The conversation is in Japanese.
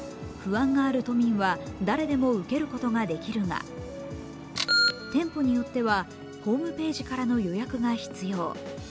不安がある都民は誰でも受けることができるが店舗によってはホームページからの予約が必要。